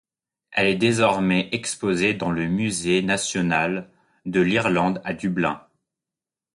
Elle est désormais exposée dans le Musée national de l'Irlande à Dublin.